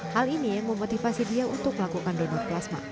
hal ini yang memotivasi dia untuk melakukan donor plasma